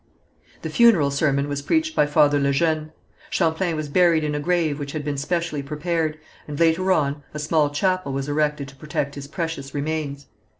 The funeral sermon was preached by Father Le Jeune. Champlain was buried in a grave which had been specially prepared, and later on, a small chapel was erected to protect his precious remains.